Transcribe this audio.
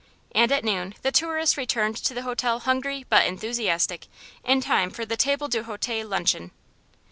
And at noon the tourists returned to the hotel hungry but enthusiastic, in time for the table d' hote luncheon.